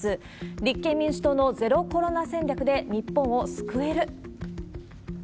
立憲民主党のＺＥＲＯコロナ戦略で、日本を救える？